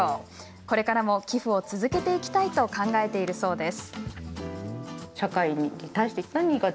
これからも寄付を続けていきたいと考えているそうです。